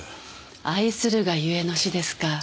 愛するがゆえの死ですか。